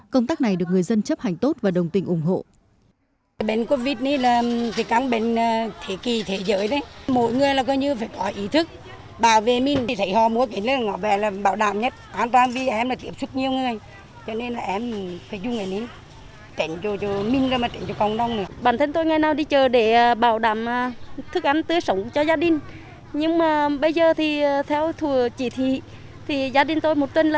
công tác này được người dân chấp hành tốt và đồng tình ủng hộ